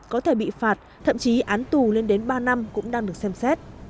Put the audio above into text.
có thể bị phạt thậm chí án tù lên đến ba năm cũng đang được xem xét